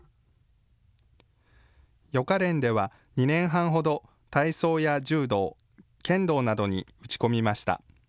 予科練では２年半ほど体操や柔道、剣道などに打ち込みました。